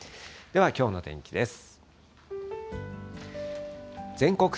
ではきょうの天気です。